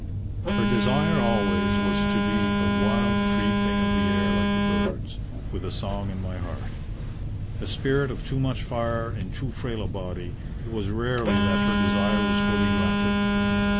Her desire, always, was to be "a wild free thing of the air like the birds, with a song in my heart." A spirit of too much fire in too frail a body, it was rarely that her desire was fully granted.